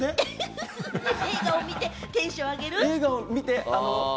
映画を見てテンション上げる？